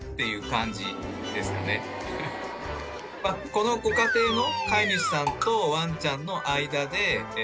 このご家庭の。